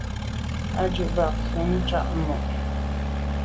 Á jí bɛ́n fá chàŋ mú.